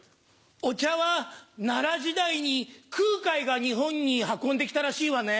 お茶は奈良時代に空海が日本に運んで来たらしいわね。